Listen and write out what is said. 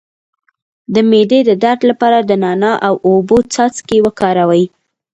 د معدې د درد لپاره د نعناع او اوبو څاڅکي وکاروئ